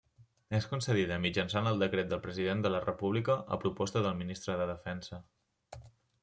És concedida mitjançant decret del President de la República a proposta del Ministre de Defensa.